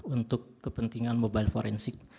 untuk kepentingan mobile forensik